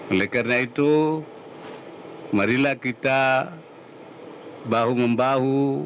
oleh karena itu marilah kita bahu membahu